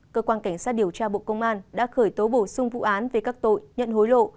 cơ quan cảnh sát điều tra bộ công an đã khởi tố bổ sung vụ án về các tội nhận hối lộ